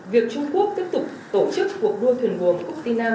việc trung quốc tiếp tục tổ chức cuộc đua thuyền buồm cúc ti nam